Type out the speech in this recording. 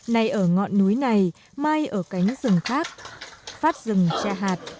nay ở ngọn núi này mai ở cánh rừng khác phát rừng che hạt